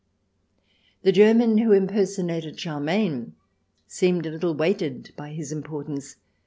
The German who impersonated Charlemagne seemed a little weighted by his importance.